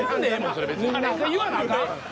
それ言わなあかん？